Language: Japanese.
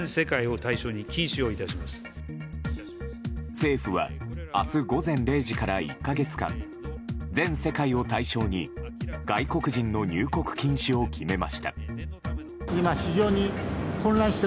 政府は明日午前０時から１か月間全世界を対象に外国人の入国禁止を決めました。